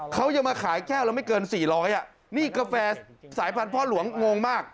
เขายังมาขายแก้วละไม่เกิน๔๐๐อ่ะนี่กาแฟสายพันธุ์พ่อหลวงงงมาก